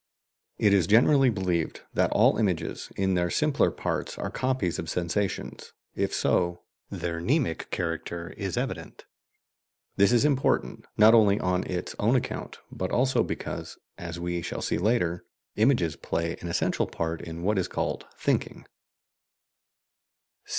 It is generally believed that all images, in their simpler parts, are copies of sensations; if so, their mnemic character is evident. This is important, not only on its own account, but also because, as we shall see later, images play an essential part in what is called "thinking."